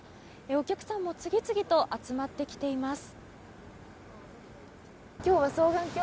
お客さんも、次々と集まってきています。